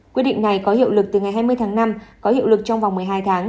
quyết định này có hiệu lực từ ngày hai mươi tháng năm có hiệu lực trong vòng một mươi hai tháng